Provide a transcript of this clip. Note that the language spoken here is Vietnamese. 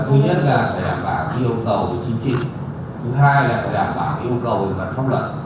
thứ hai là phải đảm bảo yêu cầu về mặt pháp luật